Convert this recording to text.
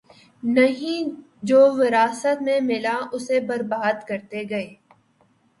نہیں‘ جو وراثت میں ملا اسے بربادکرتے گئے۔